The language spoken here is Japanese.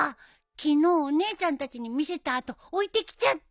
昨日お姉ちゃんたちに見せた後置いてきちゃった。